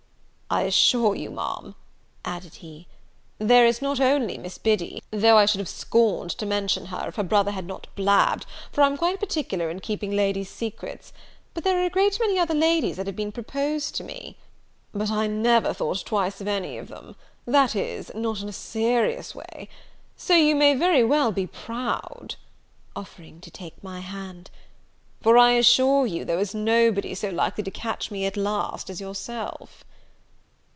"I assure you, Ma'am," added he, "there is not only Miss Biddy, though I should have scored to mention her, if her brother had not blab'd, for I'm quite particular in keeping ladies' secrets, but there are a great many other ladies that have been proposed to me; but I never thought twice of any of them, that is, not in a serious way: so you may very well be proud," offering to take my hand; "for I assure you, there is nobody so likely to catch me at last as yourself."